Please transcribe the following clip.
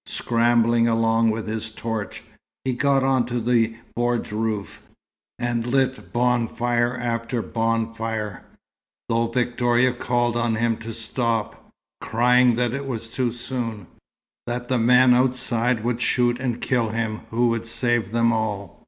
Scrambling along with his torch, he got on to the bordj roof, and lit bonfire after bonfire, though Victoria called on him to stop, crying that it was too soon that the men outside would shoot and kill him who would save them all.